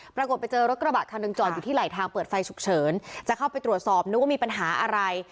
ปรากฏไปเจอรถกระบะคันหนึ่งจอดอยู่ที่ไหลทางเปิดไฟฉุกเฉินจะเข้าไปตรวจสอบนึกว่ามีปัญหาอะไร